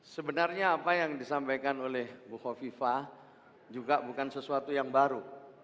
sebenarnya apa yang disampaikan oleh bu kofifa juga bukan sesuatu yang baru